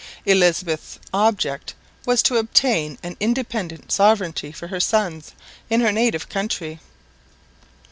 Elizabeth's object was to obtain an independent sovereignty for her sons in her native country.